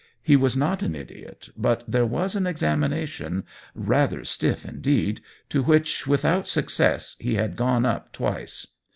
He was not an idiot, but there was an examination — rather stiff, in deed — to which, without success, he had gone up twice.